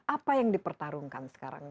apa yang dipertarungkan sekarang